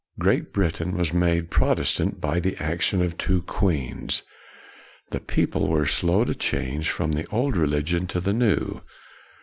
Great Britain was made Protestant by the action of two queens. The people were slow to change from the old religion to the new.